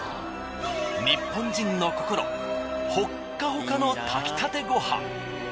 日本人の心ほっかほかの炊きたてごはん。